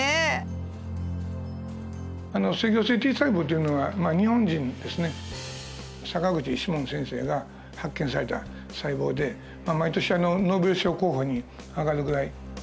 制御性Ｔ細胞というのは日本人ですね坂口志文先生が発見された細胞で毎年ノーベル賞候補に上がるぐらい。